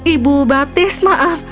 ibu baptis maaf